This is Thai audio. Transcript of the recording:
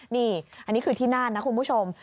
นี่อันนี้คือที่น่านนะคุณผู้ชม